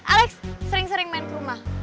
alex sering sering main ke rumah